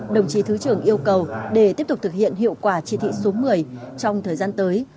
đồng chí thứ trưởng yêu cầu để tiếp tục thực hiện hiệu quả chỉ thị số một mươi trong thời gian tới